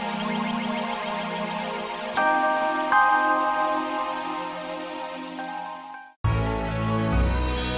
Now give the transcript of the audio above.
untuk memperbaiki keadaan yang baik